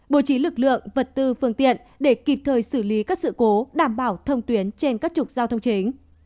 bố trí lực lượng vật tư phương tiện để kịp thời xử lý các sự cố đảm bảo thông tuyến trên các trục giao thông chính